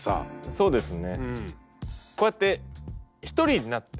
そうですね。